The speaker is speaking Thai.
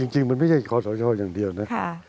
จริงมันไม่ใช่คอสชอย่างเดียวนะ